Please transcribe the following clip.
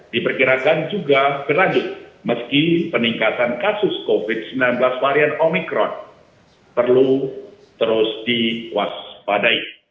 diperkirakan juga berlanjut meski peningkatan kasus covid sembilan belas varian omikron perlu terus diwaspadai